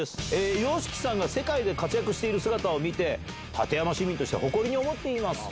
ＹＯＳＨＩＫＩさんが世界で活躍している姿を見て、館山市民として誇りに思っていますと。